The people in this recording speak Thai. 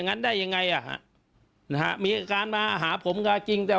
เขามาเนี่ยเขาอ้างว่ามีให้กินเกลือ